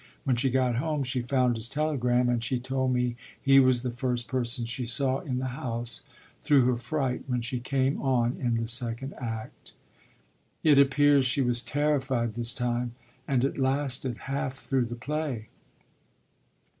When she got home she found his telegram, and she told me he was the first person she saw in the house, through her fright when she came on in the second act. It appears she was terrified this time, and it lasted half through the play."